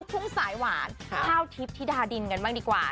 ทุ่งสายหวานข้าวทิพย์ธิดาดินกันบ้างดีกว่า